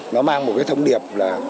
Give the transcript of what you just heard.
nó mang một thông điệp